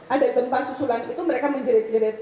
ada gempa susulan itu mereka menjerit jerit